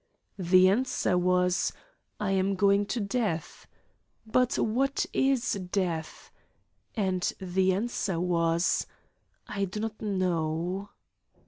The answer was: I am going to death. But what is death? And the answer was: I do not know.